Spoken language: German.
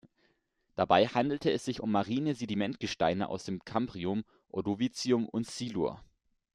Dabei handelt es sich um marine Sedimentgesteine aus dem Kambrium, Ordovizium und Silur.